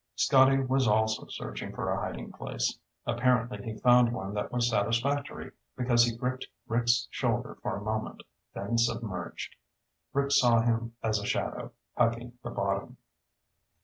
Scotty was also searching for a hiding place. Apparently he found one that was satisfactory, because he gripped Rick's shoulder for a moment, then submerged. Rick saw him as a shadow, hugging the bottom.